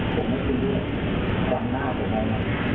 ผมไม่คุยด้วยจำหน้าผมไงนะ